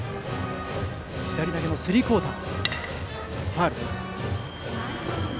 左投げのスリークオーター。